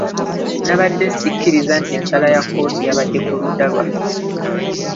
Nabadde sikkiriza nti ensala ya kkooti yabadde ku ludda lwaffe.